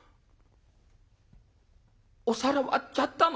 「お皿割っちゃったの」。